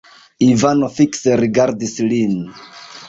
Ivano fikse rigardis lin.